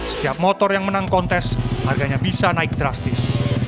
setiap motor yang menang kontes harganya bisa naik drastis